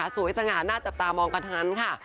สวยสะงานหน้าจับตามองกันทั้งนั้นค่ะ